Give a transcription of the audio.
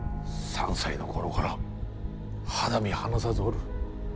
３歳の頃から肌身離さずおる。